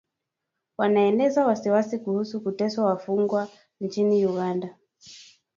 Wanaelezea wasiwasi kuhusu kuteswa wafungwa nchini Uganda